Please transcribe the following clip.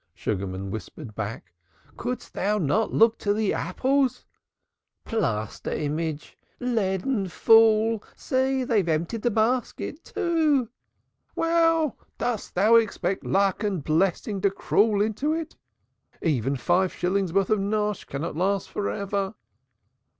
Sugarman whispered back. "Couldst thou not look to the apples? Plaster image! Leaden fool! See, they have emptied the basket, too." "Well, dost thou expect luck and blessing to crawl into it? Even five shillings' worth of nash cannot last for ever.